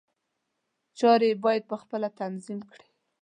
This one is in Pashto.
چارې یې باید په خپله تنظیم کړي.